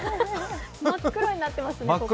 真っ黒になってますね。